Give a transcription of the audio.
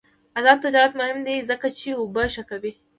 آزاد تجارت مهم دی ځکه چې اوبه ښه کوي.